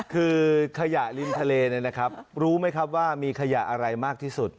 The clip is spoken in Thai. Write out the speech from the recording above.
คือขยะริมทะเลเนี่ยนะครับรู้ไหมครับว่ามีขยะอะไรมากที่สุด